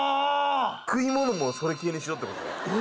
食い物もそれ系にしろってこと？